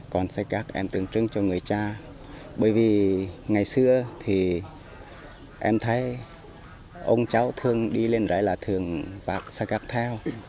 còn sai cắt em tương trưng cho người cha bởi vì ngày xưa thì em thấy ông cháu thường đi lên đáy là thường vạc sai cắt theo